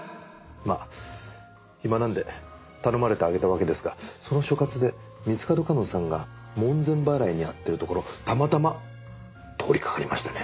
まあ暇なんで頼まれてあげたわけですがその所轄で三ツ門夏音さんが門前払いにあっているところたまたま通りかかりましてね。